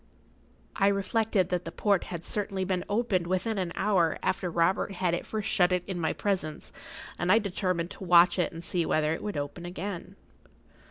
I reflected that the port had certainly been opened within an hour after Robert had at first shut it in my presence, and I determined to watch it and see whether it would open again.